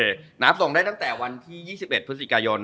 ส่งได้ตั้งแต่วันที่๒๑พฤษิกายน